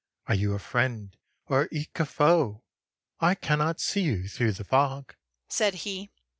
Are you a friend, or eke a foe? I cannot see you through the fog," said he.